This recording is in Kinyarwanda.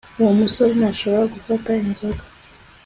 uwo musore ntashobora gufata inzoga